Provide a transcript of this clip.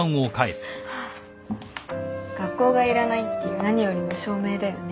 学校がいらないっていう何よりの証明だよね。